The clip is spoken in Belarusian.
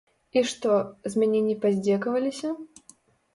І што, з мяне не паздзекаваліся?